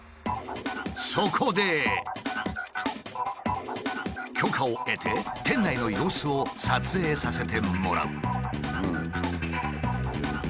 そこで許可を得て店内の様子を撮影させてもらう。